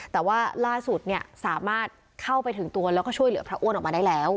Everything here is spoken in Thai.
แต่ว่าล่าสุดเนี่ยสามารถเข้าไปถึงตัวแล้วก็ช่วยเหลือพระอ้วนออกมาได้แล้ว